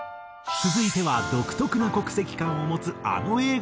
続いては独特な国籍感を持つあの映画の名曲。